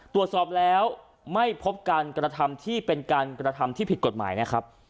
ตรวจสอบแล้วไม่พบการกระทำที่เป็นการกระทำที่ผิดกฎหมายนะครับ